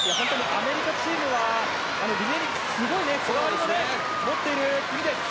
アメリカチームはリレーにすごくこだわりを持っている国です。